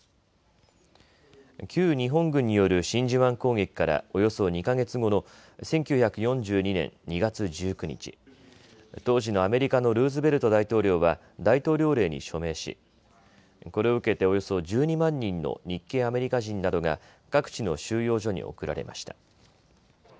旧日本軍による真珠湾攻撃からおよそ２か月後の１９４２年２月１９日、当時のアメリカのルーズベルト大統領は大統領令に署名しこれを受けておよそ１２万人の日系アメリカ人などが各地の収容所に送られました。